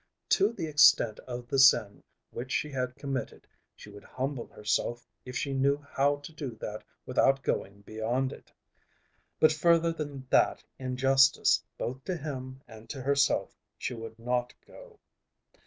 To the extent of the sin which she had committed she would humble herself if she knew how to do that without going beyond it. But further than that in justice both to him and to herself she would not go.